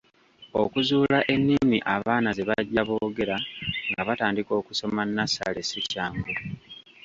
Okuzuula ennimi abaana ze bajja boogera nga batandika okusoma nnassale si kyangu.